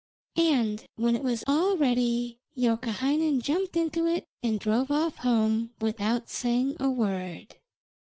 And when it was all ready Youkahainen jumped into it and drove off home without saying a word.